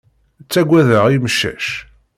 Ttagadeɣ imcac.